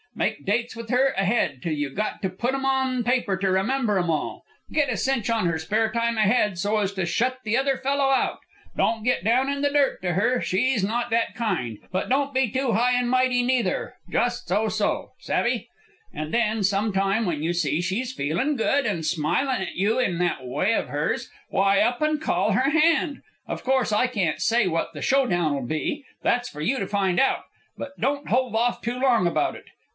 Make dates with her ahead till you got to put 'em on paper to remember 'em all. Get a cinch on her spare time ahead so as to shut the other fellow out. Don't get down in the dirt to her, she's not that kind, but don't be too high and mighty, neither. Just so so savve? And then, some time when you see she's feelin' good, and smilin' at you in that way of hers, why up and call her hand. Of course I can't say what the showdown'll be. That's for you to find out. But don't hold off too long about it.